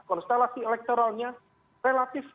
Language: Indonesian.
konstelasi elektoralnya relatif